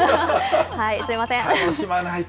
すみません。